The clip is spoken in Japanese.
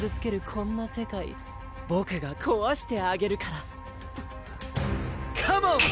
こんな世界ボクがこわしてあげるからカモン！